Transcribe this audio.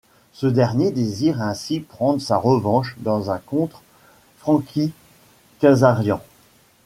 Ce dernier désire ainsi prendre sa revanche dans un ' contre Frankie Kazarian.